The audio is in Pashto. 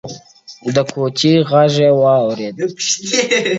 • شعر ماښامی یو څو روپۍ او سګرټ ,